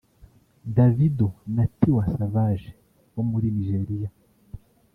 Davido na Tiwa Savage[bo muri Nigeria]